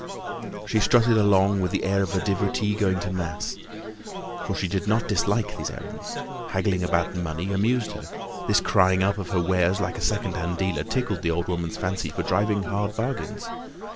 She strutted along with the air of a devotee going to mass; for she did not dislike these errands; haggling about money amused her; this crying up of her wares like a second hand dealer tickled the old woman's fancy for driving hard bargains.